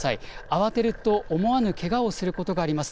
慌てると思わぬけがをすることがあります。